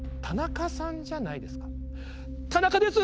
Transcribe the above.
「田中です。